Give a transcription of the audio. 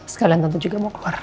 sekalian tentu juga mau keluar